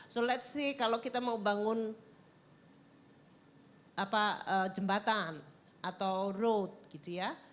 so let's say kalau kita mau bangun jembatan atau road gitu ya